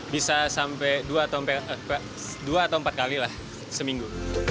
bisa sampai dua atau empat kali lah seminggu